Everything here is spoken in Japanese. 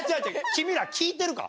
君ら聞いてるか。